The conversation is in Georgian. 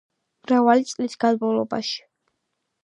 მრავალი წლის განმავლობაში.